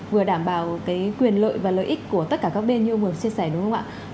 vừa đảm bảo cái quyền lợi và lợi ích của tất cả các bên như ông vừa chia sẻ đúng không ạ